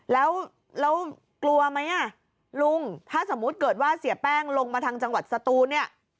แล้วกลัวไหมอ่ะลุงถ้าสมมุติเกิดว่าเสียแป้งลงมาทางจังหวัดสตูนเนี่ย